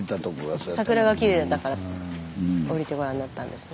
スタジオ桜がきれいだったから降りてご覧になったんですね。